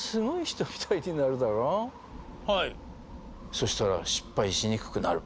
そしたら失敗しにくくなる。